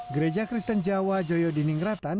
gereja kristen jawa joyo dining ratan